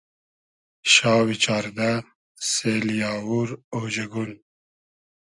شاوی چاردۂ سېلی آوور اۉجئگون